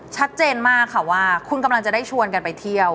ชัดเจนมากค่ะว่าคุณกำลังจะได้ชวนกันไปเที่ยว